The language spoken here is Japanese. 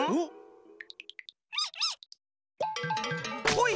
ほい！